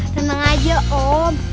tenang aja om